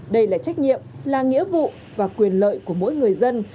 đây là trách nhiệm là nghĩa vụ và quyền lợi của mỗi người dân